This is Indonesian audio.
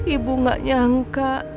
ibu gak nyangka